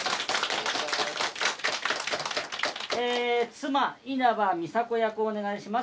妻稲葉美沙子役をお願いします